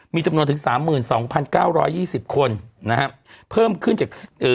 มีจำนวนถึง๓๒๙๒๐คนนะครับ